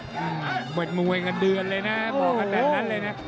มวยเงินเดือนเลยนะบอกกันแบบนั้นเลยนะ